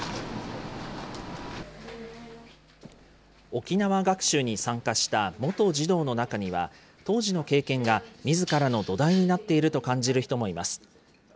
沖縄学習に参加した元児童の中には、当時の経験がみずからの土台になっていると感じる人もいます。